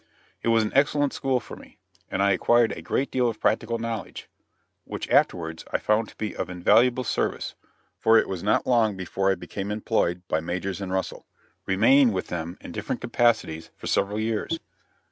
It was an excellent school for me, and I acquired a great deal of practical knowledge, which afterwards I found to be of invaluable service, for it was not long before I became employed by Majors & Russell, remaining with them in different capacities, for several years.